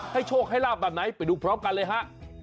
โชคให้ลาบแบบไหนไปดูพร้อมกันเลยฮะ